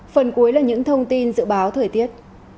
phần cuối là những thông tin dự báo thời tiết